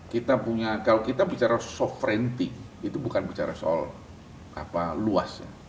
kalau kita bicara sovereignty itu bukan bicara soal luas ya